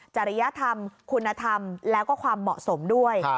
จริยธรรมคุณธรรมแล้วก็ความเหมาะสมด้วย